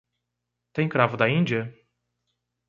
Tem cravo-da-Índia?